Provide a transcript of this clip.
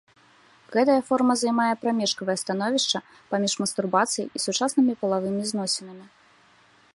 Гэтая форма займае прамежкавае становішча паміж мастурбацыяй і сучаснымі палавымі зносінамі.